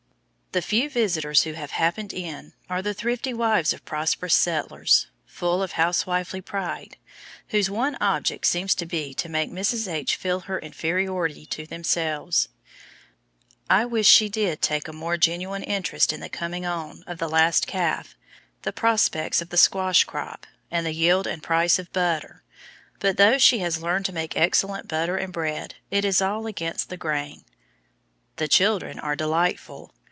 The few visitors who have "happened in" are the thrifty wives of prosperous settlers, full of housewifely pride, whose one object seems to be to make Mrs. H. feel her inferiority to themselves. I wish she did take a more genuine interest in the "coming on" of the last calf, the prospects of the squash crop, and the yield and price of butter; but though she has learned to make excellent butter and bread, it is all against the grain. The children are delightful.